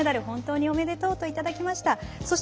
本当におめでとうといただきました。